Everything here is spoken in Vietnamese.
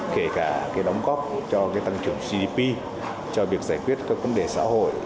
kể cả cái đóng góp cho tăng trưởng gdp cho việc giải quyết các vấn đề xã hội